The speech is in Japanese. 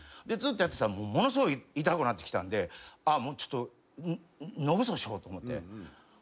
ずっとやってたらものすごい痛くなってきたんでもうちょっと野ぐそしようと思って。